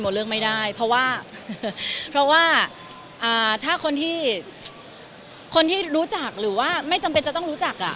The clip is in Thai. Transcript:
เลือกไม่ได้เพราะว่าเพราะว่าถ้าคนที่คนที่รู้จักหรือว่าไม่จำเป็นจะต้องรู้จักอ่ะ